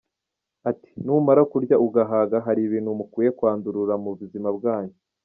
Ati “Numara kurya ugahaga hari ibintu mukwiye kwandurura mu buzima bwanyu.